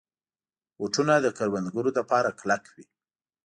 بوټونه د کروندګرو لپاره کلک وي.